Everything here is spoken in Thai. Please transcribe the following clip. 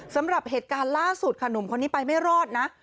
สำหรับเหตุการณ์ล่าสุดค่ะหนุ่มคนนี้ไปไม่รอดนะ